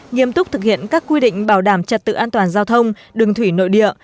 nghiêm túc thực hiện các quy định bảo đảm trật tự an toàn giao thông đường thủy nội địa